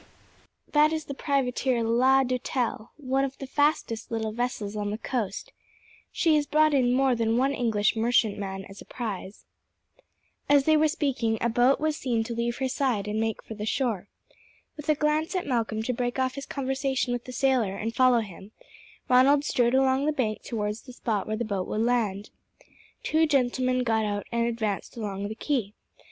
"That is the privateer La Doutelle, one of the fastest little vessels on the coast. She has brought in more than one English merchantman as a prize." As they were speaking a boat was seen to leave her side and make for the shore. With a glance at Malcolm to break off his conversation with the sailor and follow him, Ronald strode along the bank towards the spot where the boat would land. Two gentlemen got out and advanced along the quay.